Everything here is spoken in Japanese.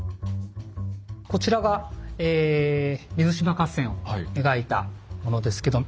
こちらが水島合戦を描いたものですけど。